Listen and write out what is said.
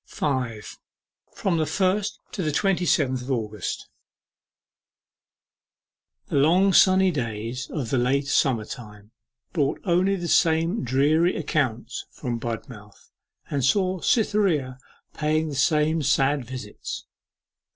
5. FROM THE FIRST TO THE TWENTY SEVENTH OF AUGUST The long sunny days of the later summer time brought only the same dreary accounts from Budmouth, and saw Cytherea paying the same sad visits.